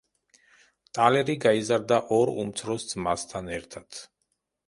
ტალერი გაიზარდა ორ უმცროს ძმასთან ერთად.